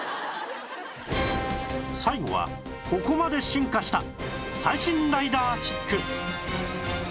最後はここまで進化した最新ライダーキック